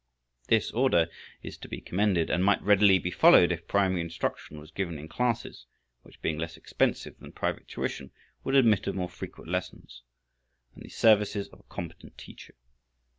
This order is to be commended, and might readily be followed if primary instruction was given in classes, which being less expensive than private tuition, would admit of more frequent lessons and the services of a competent teacher.